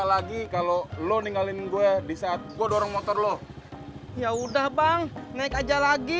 lagi kalau lo ninggalin gue di saat gue dorong motor lo ya udah bang naik aja lagi